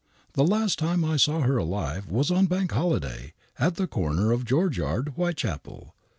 The last time I saw her alive was on * Bank Holiday/ at the corner of George Yard> Whitechapel.